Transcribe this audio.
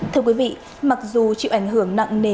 thưa quý vị mặc dù chịu ảnh hưởng nặng nề